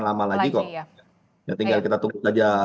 lama lagi kok ya tinggal kita tunggu saja